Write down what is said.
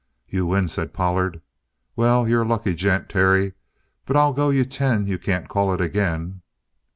"You win," said Pollard. "Well, you're a lucky gent, Terry, but I'll go you ten you can't call it again."